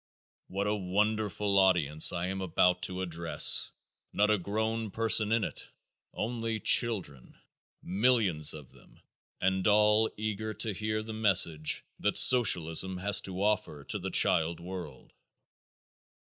What a wonderful audience I am about to address! Not a grown person in it. Only children. Millions of them and all eager to hear the message that socialism has to offer to the child world.